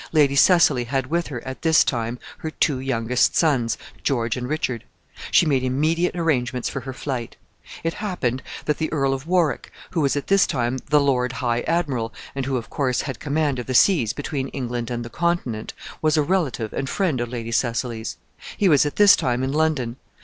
Lady Cecily had with her, at this time, her two youngest sons, George and Richard. She made immediate arrangements for her flight. It happened that the Earl of Warwick, who was at this time the Lord High Admiral, and who, of course, had command of the seas between England and the Continent, was a relative and friend of Lady Cecily's. He was at this time in London.